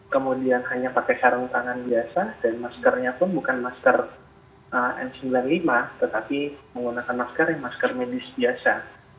kemudian hanya pakai sarung tangan biasa dan maskernya pun bukan masker n sembilan puluh lima tetapi menggunakan masker medis biasa